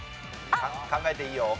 考えていいよ。